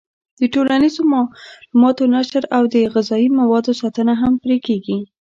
د ټولنیزو معلوماتو نشر او د غذایي موادو ساتنه هم پرې کېږي.